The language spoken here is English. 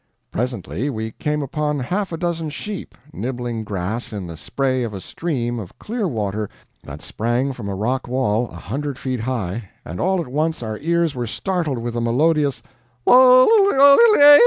Presently we came upon half a dozen sheep nibbling grass in the spray of a stream of clear water that sprang from a rock wall a hundred feet high, and all at once our ears were startled with a melodious "Lul ... l ...